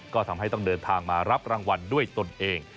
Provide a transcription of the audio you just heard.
ก็ทำให้ต้องเดินทางมารับรางวัลด้วยตนเอง